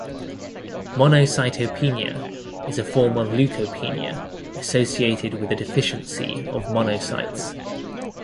Monocytopenia is a form of leukopenia associated with a deficiency of monocytes.